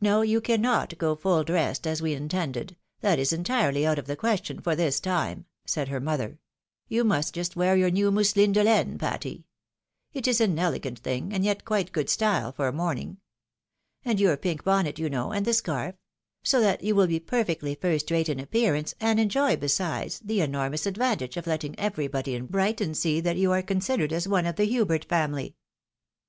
No, you cannot go fuU dressed, as we intended, that is entirely out of the question, for this time," said her mother ;" you must just wear your new mousseline de laine, Patty. It is an elegant thing, and yet quite good style for a morning. And your pink bonnet, you know, and the scarf; so that you will be per fectly first rate in appearance, and enjoy, besides, the enormous advantage of letting eyerybody in Brighton see that you are one of the Hubert family."